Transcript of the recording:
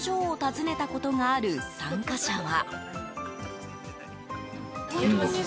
かつて、工場を訪ねたことがある参加者は。